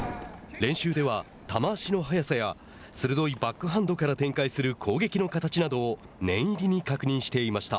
練習では球足の速さや鋭いバックハンドから展開する攻撃の形などを念入りに確認していました。